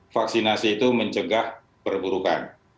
vaksinasi itu mencegah perburukan